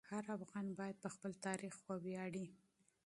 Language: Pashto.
هر افغان باید په خپل تاریخ وویاړي.